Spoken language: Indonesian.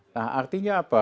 nah artinya apa